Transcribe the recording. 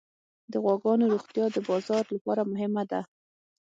د غواګانو روغتیا د بازار لپاره مهمه ده.